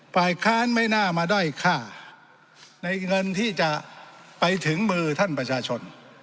ฝ่ายค้านไม่น่ามาด้อยค่าในเงินที่จะไปถึงมือท่านประชาชน